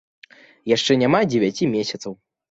Яшчэ няма дзевяці месяцаў.